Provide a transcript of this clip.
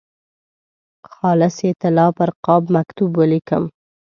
خالصې طلا پر قاب مکتوب ولیکم.